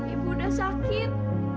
ibu udah sakit